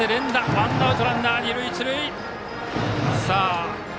ワンアウトランナー、二塁一塁。